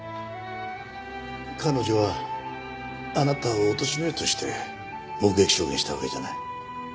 彼女はあなたをおとしめようとして目撃証言したわけじゃない。